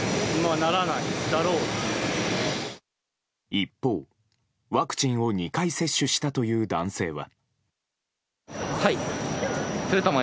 一方、ワクチンを２回接種したという男性は。